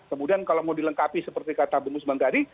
kemudian kalau mau dilengkapi seperti kata bung musbanggadi